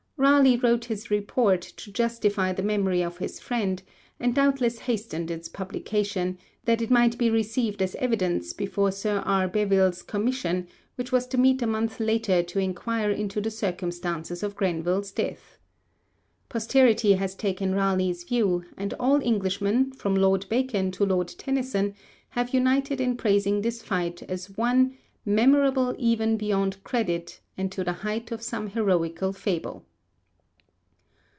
Raleigh wrote his Report to justify the memory of his friend, and doubtless hastened its publication that it might be received as evidence before Sir R. Beville's commission, which was to meet a month later to inquire into the circumstances of Grenville's death. Posterity has taken Raleigh's view, and all Englishmen, from Lord Bacon to Lord Tennyson, have united in praising this fight as one 'memorable even beyond credit, and to the height of some heroical fable.'